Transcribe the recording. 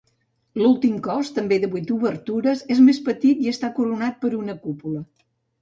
L'últim cos, també de vuit obertures, és més petit i està coronat per una cúpula.